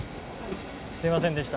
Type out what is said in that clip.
すみませんでした。